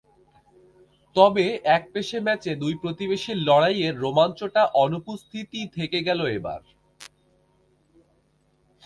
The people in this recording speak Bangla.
তবে একপেশে ম্যাচে দুই প্রতিবেশীর লড়াইয়ের রোমাঞ্চটা অনুপস্থিতই থেকে গেল এবার।